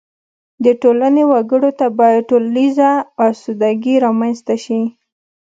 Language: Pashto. د ټولنې وګړو ته باید ټولیزه اسودګي رامنځته شي.